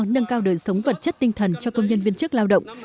nâng cao đời sống vật chất tinh thần cho công nhân viên chức lao động